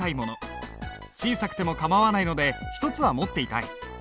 小さくても構わないので１つは持っていたい。